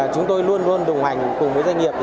chúng tôi luôn luôn đồng hành cùng với doanh nghiệp